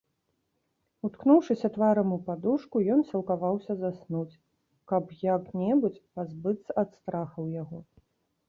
Уткнуўшыся тварам у падушку, ён сілкаваўся заснуць, каб як-небудзь пазбыцца ад страхаў яго.